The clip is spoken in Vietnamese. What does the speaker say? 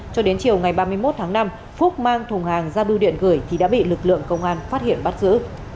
cho đến chiều ngày ba mươi một tháng năm phúc mang thùng hàng ra biêu điện gửi thì đã bị lực lượng công an phát hiện bắt giữ